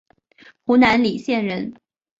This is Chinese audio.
湖南澧县人。